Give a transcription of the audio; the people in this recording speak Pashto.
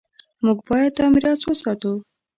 موږ باید دا میراث وساتو.